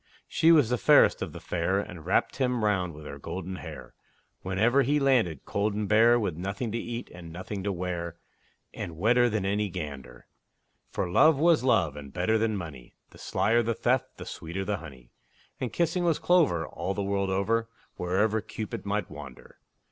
She was the fairest of the fair, And wrapt him round with her golden hair, Whenever he landed cold and bare, With nothing to eat and nothing to wear, And wetter than any gander; For Love was Love, and better than money; The slyer the theft, the sweeter the honey; And kissing was clover, all the world over, Wherever Cupid might wander.